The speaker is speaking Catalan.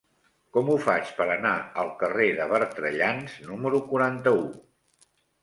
Com ho faig per anar al carrer de Bertrellans número quaranta-u?